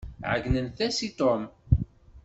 Ɛeyynent-as i Tom.